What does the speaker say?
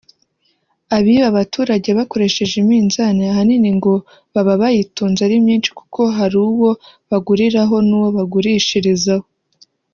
Abiba abaturage bakoresheje iminzani ahanini ngo baba bayitunze ari myinshi kuko hari uwo baguriraho n’uwo bagurishirizaho